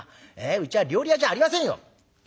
うちは料理屋じゃありませんよ！」。